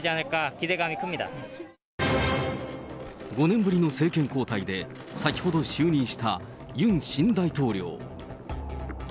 ５年ぶりの政権交代で、先ほど就任したユン新大統領。